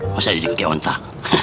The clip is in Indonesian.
masih ada jejak kaki wontak